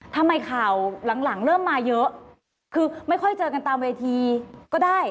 ทำไมข่าวหลังเริ่มมาเยอะคือไม่ค่อยเจอกันตามเวทีก็ได้